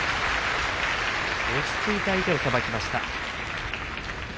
落ち着いて相手をさばきました。